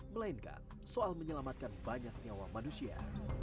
melainkan soal menyelamatkan banyak nyawa manusia